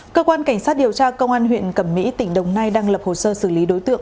cơ quan cảnh sát điều tra công an huyện cẩm mỹ tỉnh đồng nai đang lập hồ sơ xử lý đối tượng